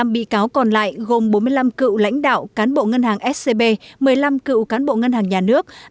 năm bị cáo còn lại gồm bốn mươi năm cựu lãnh đạo cán bộ ngân hàng scb một mươi năm cựu cán bộ ngân hàng nhà nước